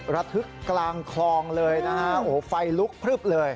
ระทึกกลางคลองเลยนะฮะโอ้โหไฟลุกพลึบเลย